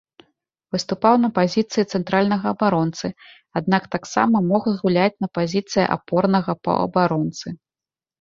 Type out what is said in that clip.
Выступаў на пазіцыі цэнтральнага абаронцы, аднак, таксама, мог згуляць на пазіцыі апорнага паўабаронцы.